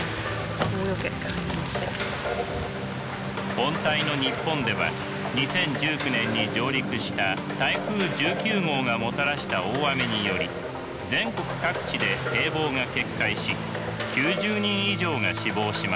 温帯の日本では２０１９年に上陸した台風１９号がもたらした大雨により全国各地で堤防が決壊し９０人以上が死亡しました。